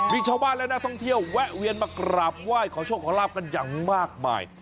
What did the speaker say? มีชาวบ้านและนักท่องเที่ยวแวะเวียนมากราบไหว้ขอโชคขอลาบกันอย่างมากมาย